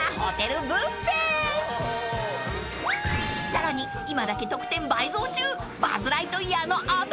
［さらに今だけ得点倍増中バズ・ライトイヤーのアトラクションへ］